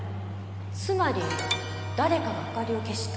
つまり誰かが明かりを消した。